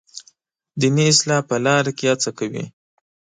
دیني اصلاح په لاره کې هڅه کوي.